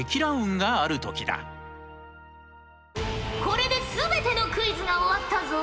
これで全てのクイズが終わったぞ。